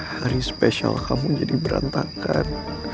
hari spesial kamu jadi berantakan